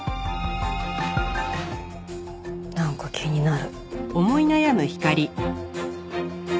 なんか気になる。